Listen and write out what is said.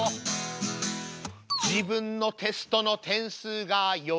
「自分のテストの点数がよいと」